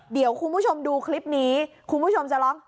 เดี๋ยวคุณผู้ชมดูคลิปนี้คุณผู้ชมจะร้อง